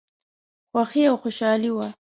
خوښي او خوشالي وه.